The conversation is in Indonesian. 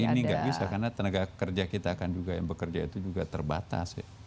ini nggak bisa karena tenaga kerja kita kan juga yang bekerja itu juga terbatas